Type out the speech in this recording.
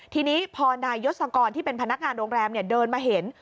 ทีนี้พอนายยศกรที่เป็นพนักงานโรงแรมเดินมาเห็น